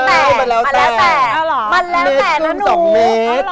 แล้วเลข๘มันเลขกันไหมมันเลข๘นะหนู